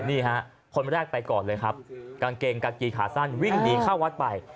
นี่ฮะคนแรกไปก่อนเลยครับกางเกงกากีขาสั้นวิ่งหนีเข้าวัดไป